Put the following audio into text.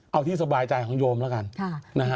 เอาที่สบายใจของโยมแล้วกัน